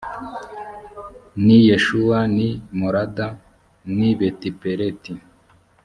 n i yeshuwa n i molada n i betipeleti